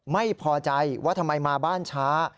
ไม่พอใจว่าทำไมมาบ้านช้า